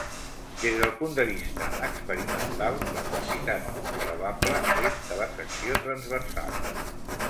Des del punt de vista experimental la quantitat observable és de la secció transversal.